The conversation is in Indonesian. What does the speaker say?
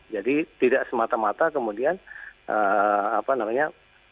jadi tidak semata mata kemudian apa namanya